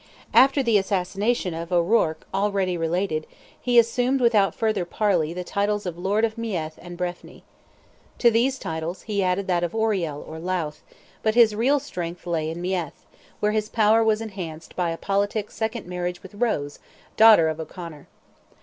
After the assassination of O'Ruarc already related, he assumed without further parley the titles of Lord of Meath and Breffni. To these titles, he added that of Oriel or Louth, but his real strength lay in Meath, where his power was enhanced by a politic second marriage with Rose, daughter of O'Conor.